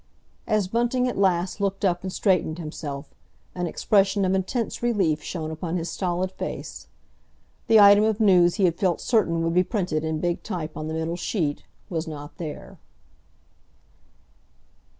As Bunting at last looked up and straightened himself, an expression of intense relief shone upon his stolid face. The item of news he had felt certain would be printed in big type on the middle sheet was not there.